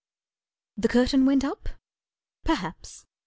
The curtain went up? Perhaps.